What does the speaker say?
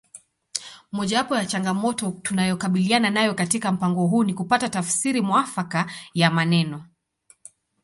Mojawapo ya changamoto tunayokabiliana nayo katika mpango huu ni kupata tafsiri mwafaka ya maneno